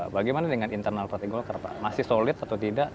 bagaimana dengan internal partai golkar pak masih solid atau tidak